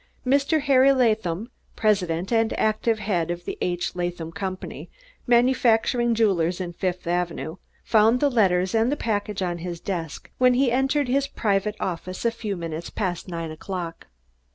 Mr. Harry Latham, president and active head of the H. Latham Company, manufacturing jewelers in Fifth Avenue, found the letters and the package on his desk when he entered his private office a few minutes past nine o'clock.